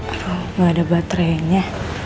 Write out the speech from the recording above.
aduh nggak ada baterainya